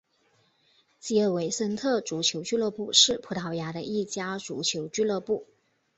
吉尔维森特足球俱乐部是葡萄牙的一家足球俱乐部。